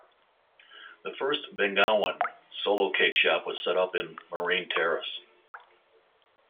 The first Bengawan Solo Cake Shop was set up in Marine Terrace.